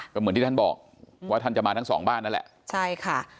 ก็เหมือนที่ท่านบอกว่าท่านจะมาทั้งสองบ้านนั่นแหละใช่ค่ะ